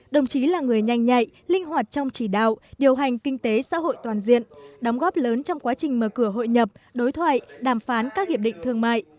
đồng chí là người nhanh nhạy linh hoạt trong chỉ đạo điều hành kinh tế xã hội toàn diện đóng góp lớn trong quá trình mở cửa hội nhập đối thoại đàm phán các hiệp định thương mại